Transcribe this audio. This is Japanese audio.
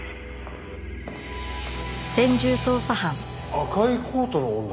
赤いコートの女？